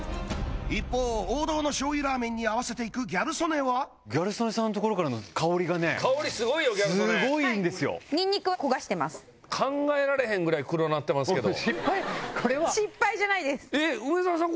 一方王道のしょう油ラーメンに合わせていくギャル曽根はギャル曽根さんの所からの香りがね香りすごいよギャル曽根すごいんですよ考えられへんぐらい黒なってますけどホント失敗これは失敗じゃないですえっ梅沢さん